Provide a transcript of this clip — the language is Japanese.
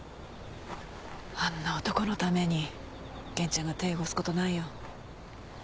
あんな男のために源ちゃんが手汚す事ないよ。